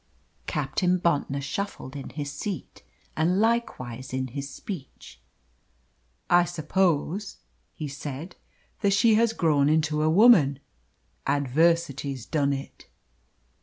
Captain Bontnor shuffled in his seat and likewise in his speech. "I suppose," he said, "that she has grown into a woman. Adversity's done it."